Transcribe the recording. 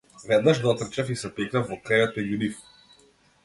Веднаш дотрчав и се пикнав во кревет меѓу нив.